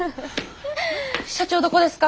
社長どこですか？